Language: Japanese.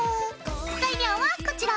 材料はこちら。